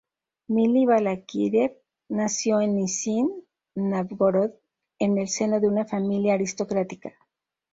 Mili Balákirev nació en Nizhni Nóvgorod, en el seno de una familia aristocrática.